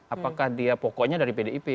apakah dia pokoknya dari pdip